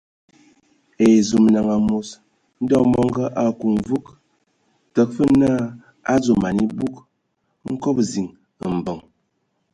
Ai zum amos Ndɔ mɔngɔ a aku mvug, təga fəg naa a dzo man ebug nkɔbɔ ziŋ mbəŋ.